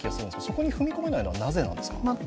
ここに踏み込まないのはなぜですか。